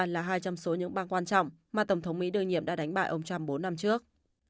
là hai trong số những bang quan trọng mà tổng thống mỹ đương nhiệm đã đánh bại ông trump bốn năm trước